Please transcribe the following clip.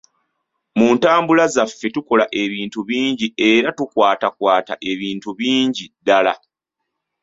Mu ntambula zaffe, tukola ebintu bingi era tukwatakwata ebintu bingi ddala.